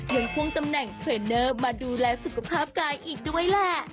ควงตำแหน่งเทรนเนอร์มาดูแลสุขภาพกายอีกด้วยแหละ